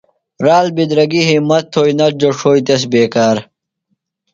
رال بِدراگی ہِمت تھوئی، نہ جو ݜوئی تس بےکار